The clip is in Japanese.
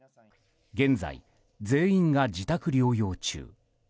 現在、全員が自宅療養中。